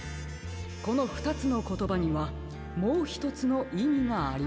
このふたつのことばにはもうひとつのいみがあります。